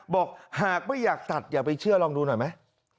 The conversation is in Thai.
บอกหากไม่อยากตัดอย่าไปเชื่อลองดูหน่อยไหม